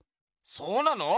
そうなの？